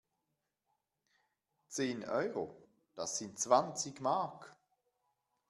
Zehn Euro? Das sind zwanzig Mark!